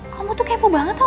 kamu tuh kepo banget tau gak